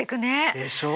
でしょう？